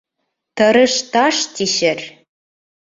Тырыш таш тишер.